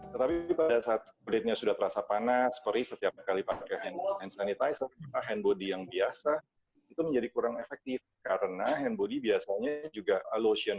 tapi pada saat kulitnya sudah terasa panas seperti yang bringar hand sanitizer memakai hand body lotion atau hand body yang biasa itu menjadi kurang efektif karena hand body jestarnya lotion itu wants to stealth your upper body